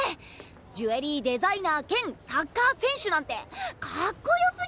ジュエリーデザイナー兼サッカー選手なんてかっこよすぎるよ！